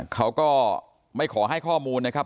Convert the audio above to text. เขาก็ไม่ขอให้ข้อมูลนะครับ